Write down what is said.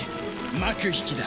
幕引きだ。